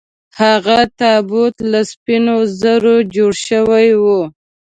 هغه تابوت له سپینو زرو جوړ شوی و.